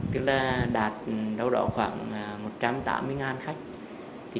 tức là đạt đâu đó khoảng một trăm tám mươi khách